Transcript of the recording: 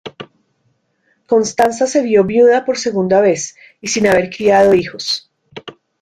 Constanza se vio viuda por segunda vez y sin haber criado hijos.